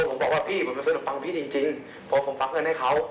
ผมบอกว่าพี่ผมมาซื้อนมปังพี่จริงเพราะผมฟักเงินให้เขา